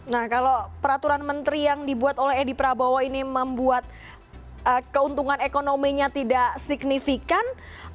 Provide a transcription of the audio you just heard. nah kalau peraturan menteri yang dibuat oleh edi prabowo ini membuat keuntungan ekonominya tidak signifikan